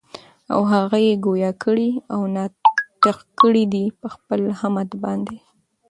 او هغه ئي ګویا کړي او ناطق کړي دي پخپل حَمد باندي